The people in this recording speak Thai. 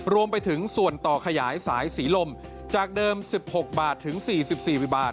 รวมไปถึงส่วนต่อขยายสายสีลมจากเดิม๑๖บาทถึง๔๔วิบาล